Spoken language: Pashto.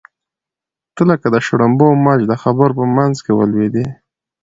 ته لکه د شړومبو مچ د خبرو په منځ کې ولوېدې.